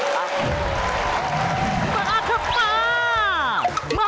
มาครับมา